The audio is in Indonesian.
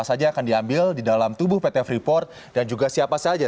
apa saja akan diambil di dalam tubuh pt freeport dan juga siapa saja